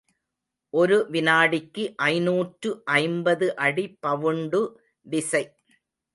ஒரு வினாடிக்கு ஐநூற்று ஐம்பது அடி பவுண்டு விசை.